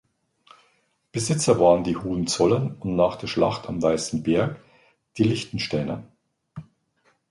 Besitzer waren die Hohenzollern und nach der Schlacht am Weißen Berg die Liechtensteiner.